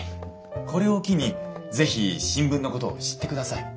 これを機に是非新聞のことを知ってください。